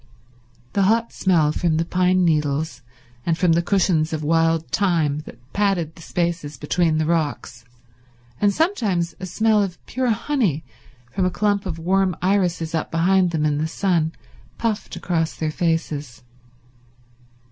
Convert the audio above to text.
The hot smell from the pine needles and from the cushions of wild thyme that padded the spaces between the rocks, and sometimes a smell of pure honey from a clump of warm irises up behind them in the sun, puffed across their faces.